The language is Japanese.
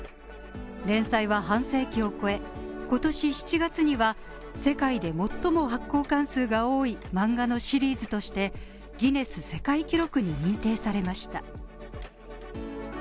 連載は半世紀を超え、今年７月には世界で最も発行巻数が多い漫画のシリーズとしてギネス世界記録に認定されました。